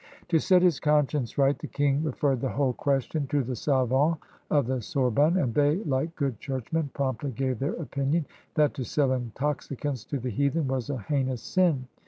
To set his conscience right, the King referred the whole question to the savants of the Sorbonne, and they, like good churchmen, promptly gave their opinion that to sell intoxicants to the heathen was a heinous sin.